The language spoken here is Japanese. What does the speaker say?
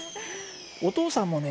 お父さんもね